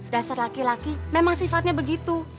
dasar laki laki memang sifatnya begitu